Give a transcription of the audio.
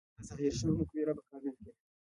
د ظاهر شاه مقبره په کابل کې ده